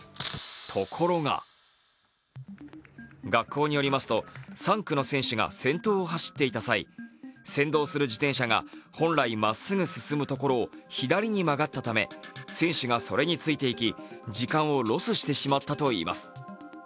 ところが、学校によりますと、３区の選手が先頭を走っていた際、先導する自転車が本来まっすぐ進むところを左に曲がったため選手がそれについていき、時間をロスしてしまったといいます。